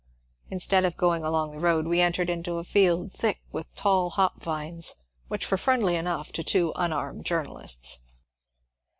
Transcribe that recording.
Instead of going along the road we entered into a field thick with tall hop vines which were friendly enough to two unarmed journalists.